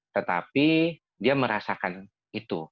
tetapi dia merasakan itu